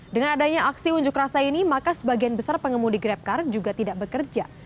dengan adanya aksi unjuk rasa ini maka sebagian besar pengemudi grabcar juga tidak bekerja